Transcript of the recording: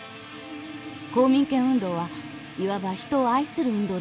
公民権運動はいわば人を愛する運動でした。